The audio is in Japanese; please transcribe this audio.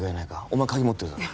お前鍵持ってるだろ